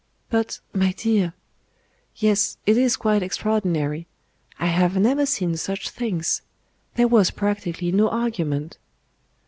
"But, my dear " "Yes; it is quite extraordinary. I have never seen such things. There was practically no argument."